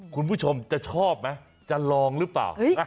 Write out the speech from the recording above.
คุณผู้ชมจะชอบไหมจะลองหรือเปล่า